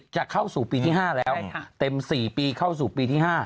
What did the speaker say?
จะเข้าสู่ปีที่๕แล้วเต็ม๔ปีเข้าสู่ปีที่๕